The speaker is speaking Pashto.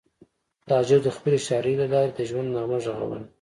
تعجب د خپلې شاعرۍ له لارې د ژوند نغمه غږوله